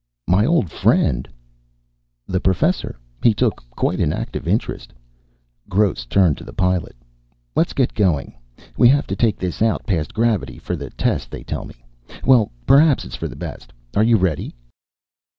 "My old friend?" "The Professor. He took quite an active interest." Gross turned to the Pilot. "Let's get going. We have to take this out past gravity for the test they tell me. Well, perhaps it's for the best. Are you ready?"